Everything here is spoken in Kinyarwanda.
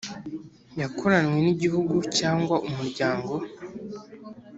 yakoranywe n Igihugu cyangwa Umuryango